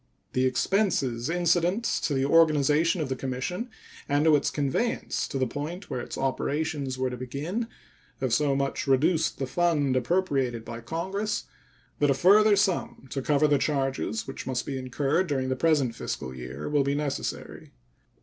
The expenses incident to the organization of the commission and to its conveyance to the point where its operations were to begin have so much reduced the fund appropriated by Congress that a further sum, to cover the charges which must be incurred during the present fiscal year, will be necessary.